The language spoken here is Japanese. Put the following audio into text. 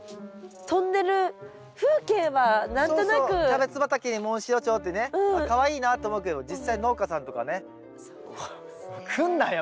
キャベツ畑にモンシロチョウってねあっかわいいなって思うけど実際農家さんとかね来んなよ！みたいな。